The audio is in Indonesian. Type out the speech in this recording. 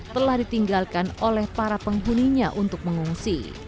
telah ditinggalkan oleh para penghuninya untuk mengungsi